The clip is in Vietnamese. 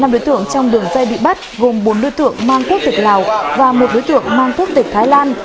năm đối tượng trong đường dây bị bắt gồm bốn đối tượng mang quốc tịch lào và một đối tượng mang quốc tịch thái lan